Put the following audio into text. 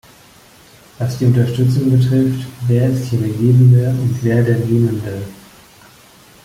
Was die Unterstützung betrifft, wer ist hier der Gebende und wer der Nehmende?